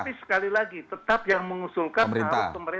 iya tetapi sekali lagi tetap yang mengusulkan adalah pemerintah